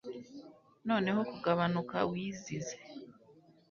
noneho kugabanuka wizize